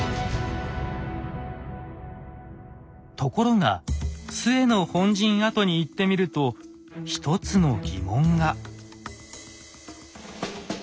ところが陶の本陣跡に行ってみると一つの疑問が。